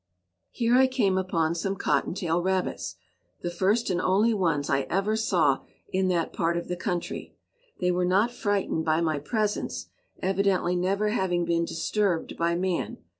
Here I came upon some cottontail rabbits, the first and only ones I ever saw in that part of the country. They were not frightened by my presence, evidently never having been disturbed by man.